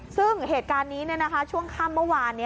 ซึ่งเหตุการณ์นี้ช่วงค่ำเมื่อวาน